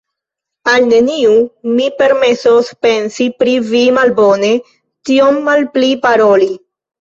Al neniu mi permesos pensi pri vi malbone, tiom malpli paroli.